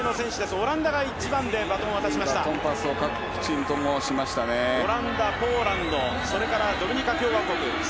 オランダ、ポーランド、それからドミニカ共和国。